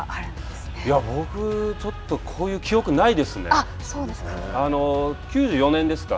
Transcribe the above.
僕、ちょっとこういう記憶そうですか。